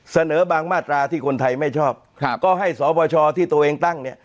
เสนอบางมาตราที่คนไทยไม่ชอบครับก็ให้สบชที่ตัวเองตั้งเนี่ย